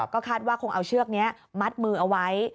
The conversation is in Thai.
ก็คาดว่าคงเอาเชือกนี้มัดมือเอาไว้